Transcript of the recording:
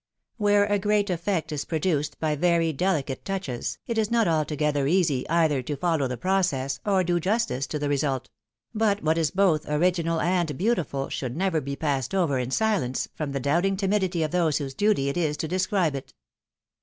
Where a great effect is produced by very delicate touches, it is not altogether easy either to follow the process, or do justice to the result ; but what is both original and beautiful should never be passed over in silence, from the doubting timidity of those whose duty it is to describe it.